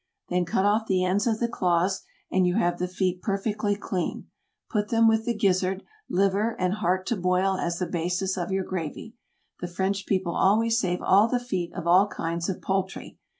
Then cut off the ends of the claws, and you have the feet perfectly clean; put them with the gizzard, liver and heart to boil as the basis of your gravy. The French people always save all the feet of all kinds of poultry.